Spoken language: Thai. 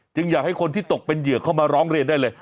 อยากให้คนที่ตกเป็นเหยื่อเข้ามาร้องเรียนได้เลย